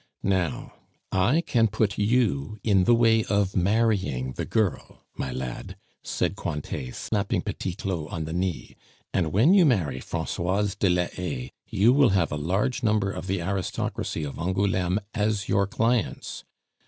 Now, I can put you in the way of marrying the girl, my lad," said Cointet, slapping Petit Claud on the knee; "and when you marry Francoise de la Haye, you will have a large number of the aristocracy of Angouleme as your clients.